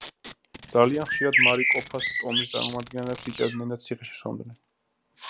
ძალიან ხშირად მარიკოფას ტომის წარმომადგენლებს იჭერდნენ და ციხეში სვამდნენ.